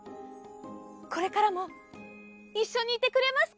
これからもいっしょにいてくれますか？